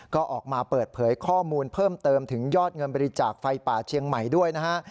ก็ออกมาเปิดเผยข้อมูลเพิ่มเติมถึงยอดเงินบริจาคไฟป่าเชียงใหม่ด้วยนะฮะ